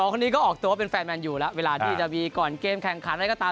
คนนี้ก็ออกตัวว่าเป็นแฟนแมนอยู่แล้วเวลาที่จะมีก่อนเกมแข่งขันอะไรก็ตาม